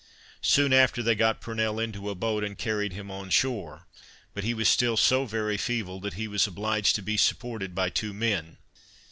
Soon after they got Purnell into a boat, and carried him on shore; but he was still so very feeble, that he was obliged to be supported by two men.